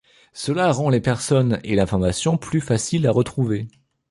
Cela rend les personnes et l'information plus faciles à retrouver.